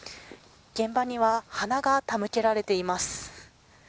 現場には花がたむけられています。